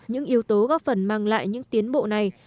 những yếu tố góp phần mang lại những tiến bộ này